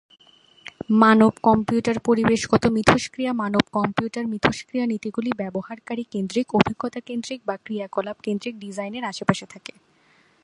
মানব-কম্পিউটার-পরিবেশগত মিথস্ক্রিয়া মানব-কম্পিউটার মিথস্ক্রিয়া নীতিগুলি ব্যবহারকারী-কেন্দ্রিক, অভিজ্ঞতা-কেন্দ্রিক বা ক্রিয়াকলাপ কেন্দ্রিক ডিজাইনের আশেপাশে থাকে।